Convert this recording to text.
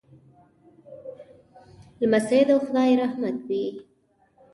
لمسی د خدای رحمت وي.